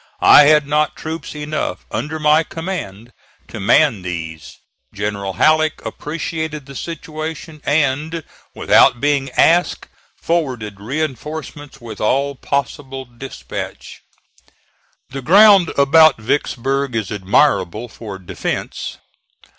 I had not troops enough under my command to man these. General Halleck appreciated the situation and, without being asked, forwarded reinforcements with all possible dispatch. The ground about Vicksburg is admirable for defence.